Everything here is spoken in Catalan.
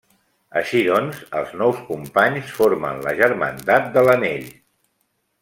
Així doncs els nou companys formen la Germandat de l'Anell.